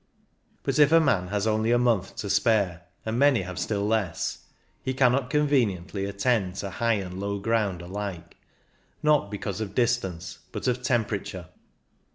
But if a man has only a month to spare— and many have still less — he cannot conveniently attend to CONCLUSION 245 high and low ground alike, not because of distance, but of temperature.